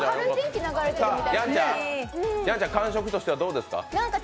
やんちゃん、感触としてはどうですか。